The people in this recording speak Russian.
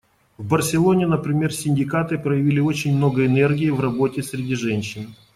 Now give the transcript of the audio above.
В Барселоне, например, синдикаты проявили очень много энергии в работе среди женщин.